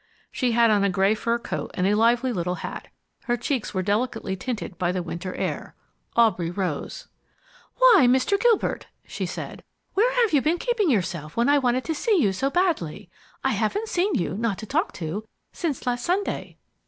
She had on a gray fur coat and a lively little hat. Her cheeks were delicately tinted by the winter air. Aubrey rose. "Why, Mr. Gilbert!" she said. "Where have you been keeping yourself when I wanted to see you so badly? I haven't seen you, not to talk to, since last Sunday."